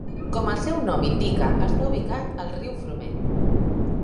Com el seu nom indica, està ubicat al riu Frome.